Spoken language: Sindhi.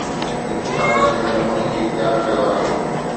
اقتصاديات هن نموني کي اختيار ڪيو آهي.